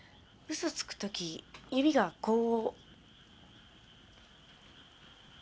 嘘つく時指がこう。